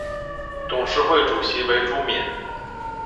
董事会主席为朱敏。